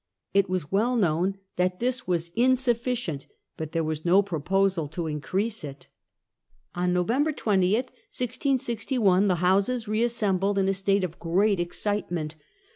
It was well known that this was insufficient, but there was no proposal to increase it. On November 20, 1661, the Houses reassembled in a state of great excitement.